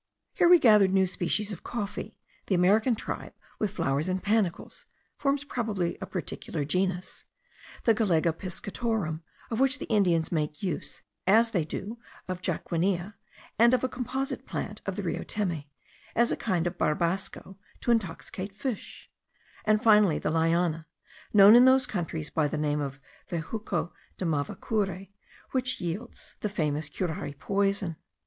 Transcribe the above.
We here gathered some new species of coffee (the American tribe, with flowers in panicles, forms probably a particular genus); the Galega piscatorum, of which the Indians make use, as they do of jacquinia, and of a composite plant of the Rio Temi, as a kind of barbasco, to intoxicate fish; and finally, the liana, known in those countries by the name of vejuco de mavacure, which yields the famous curare poison.